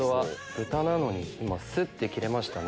豚なのにスッて切れましたね。